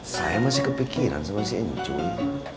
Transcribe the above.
saya masih kepikiran sama si encuy